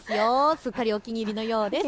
すっかりお気に入りのようです。